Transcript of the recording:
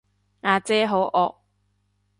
呀姐好惡